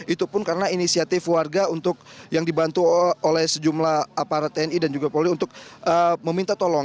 itu pun karena inisiatif warga untuk yang dibantu oleh sejumlah aparat tni dan juga polri untuk meminta tolong